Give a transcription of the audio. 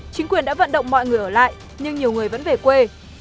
chính quyền đã vận động mọi người ở lại nhưng nhiều người vẫn về quê